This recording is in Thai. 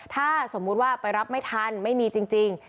ถ้าสมมุติว่าไปรับไม่ทันไม่มีจริง